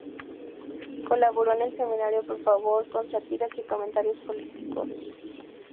Colaboró en el semanario "Por Favor" con sátiras y comentarios políticos.